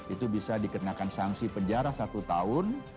itu bisa dikenakan sanksi penjara satu tahun